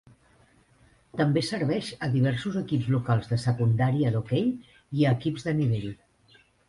També serveix a diversos equips locals de secundària d'hoquei i a equips de nivell.